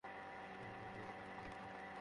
সে তার স্বামীকে হত্যা করেছে।